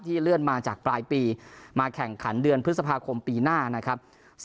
เลื่อนมาจากปลายปีมาแข่งขันเดือนพฤษภาคมปีหน้านะครับ